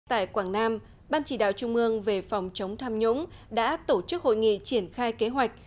tại quảng nam ban chỉ đạo trung ương về phòng chống tham nhũng đã tổ chức hội nghị triển khai kế hoạch